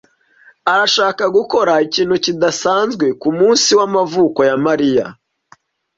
arashaka gukora ikintu kidasanzwe kumunsi w'amavuko ya Mariya.